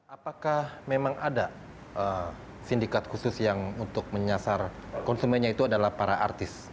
apakah memang ada sindikat khusus yang untuk menyasar konsumennya itu adalah para artis